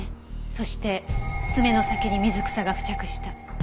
そして爪の先に水草が付着した。